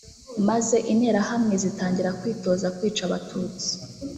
maze Interahamwe zitangira kwitoza kwica Abatutsi